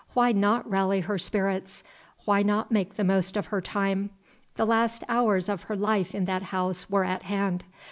Why not rally her spirits? Why not make the most of her time? The last hours of her life in that house were at hand.